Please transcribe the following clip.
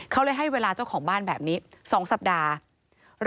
เขาเลยให้เวลาเจ้าของบ้านแบบนี้๒สัปดาห์